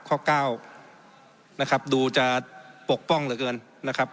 ข้อเก้านะครับดูจะปกป้องเหลือเกินนะครับ